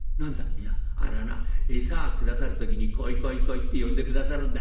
「いやあれはな餌下さる時に『来い来い来い』って呼んで下さるんだ。